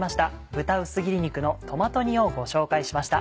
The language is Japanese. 「豚薄切り肉のトマト煮」をご紹介しました。